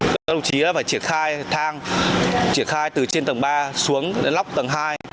các đồng chí đã phải triển khai thang triển khai từ trên tầng ba xuống đến lóc tầng hai